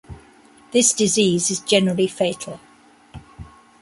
This disease is generally fatal.